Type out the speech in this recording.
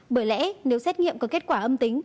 bởi lẽ nếu xét nghiệm có kết quả âm tính